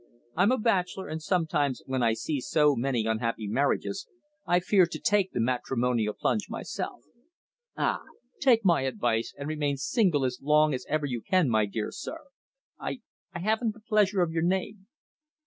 "I'm a bachelor, and sometimes when I see so many unhappy marriages I fear to take the matrimonial plunge myself." "Ah! Take my advice and remain single as long as ever you can, my dear sir. I I haven't the pleasure of your name."